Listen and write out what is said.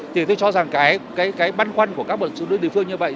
thì tôi cho rằng cái băn khoăn của các bộ xử lý địa phương như vậy